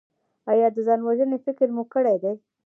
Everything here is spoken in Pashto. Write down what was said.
ایا د ځان وژنې فکر مو کړی دی؟